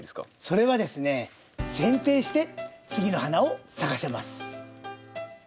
それはですねせん定して次の花を咲かせます！